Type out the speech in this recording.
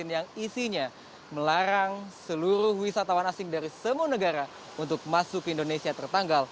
yang isinya melarang seluruh wisatawan asing dari semua negara untuk masuk ke indonesia tertanggal